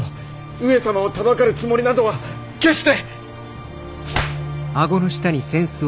上様をたばかるつもりなどは決して！